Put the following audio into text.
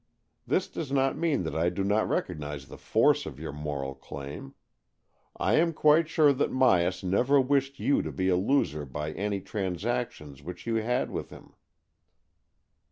This does not mean that I do not recognize the force of your moral claim. I am quite sure that Myas never wished you to be a loser by any trans actions which you had with him."